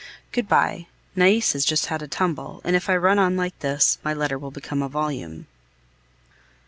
Good bye; Nais has just had a tumble, and if I run on like this, my letter will become a volume.